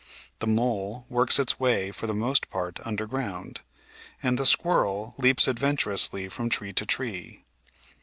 The mole works its way for the most part underground, and the squirrel leaps adventurously from tree to tree.